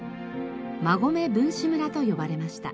馬込文士村と呼ばれました。